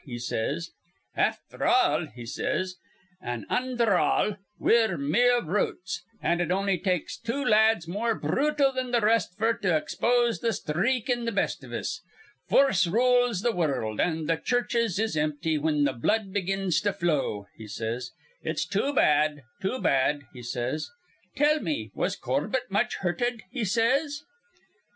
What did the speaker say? he says. 'Afther all,' he says, 'an' undher all, we're mere brutes; an' it on'y takes two lads more brutal than th' rest f'r to expose th' sthreak in th' best iv us. Foorce rules th' wurruld, an' th' churches is empty whin th' blood begins to flow.' he says. 'It's too bad, too bad.' he says. 'Tell me, was Corbett much hurted?' he says."